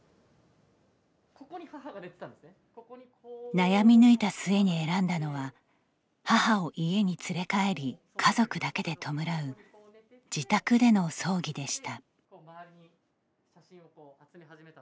悩み抜いた末に選んだのは母を家に連れ帰り家族だけで弔う自宅での葬儀でした。